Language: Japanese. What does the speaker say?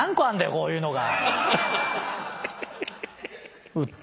こういうのが。